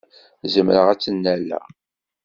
Zemreɣ ad tt-nnaleɣ?